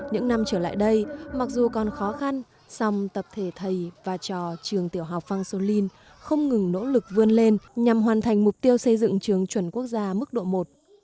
những năm trở lại đây mặc dù còn khó khăn song tập thể thầy và trò trường tiểu học phan xuân linh không ngừng nỗ lực vươn lên nhằm hoàn thành mục tiêu xây dựng trường chuẩn quốc gia mức độ một